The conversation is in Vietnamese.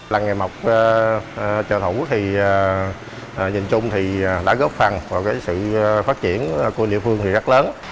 làng nghề mọc chợ thổ quốc nhìn chung đã góp phần vào sự phát triển của địa phương rất lớn